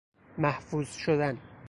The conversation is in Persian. محفوظ شدن